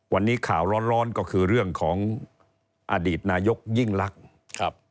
วันนี้ข่าวร้อนก็คือเรื่องของอดีตนายกยิ่งลักษณ์ครับ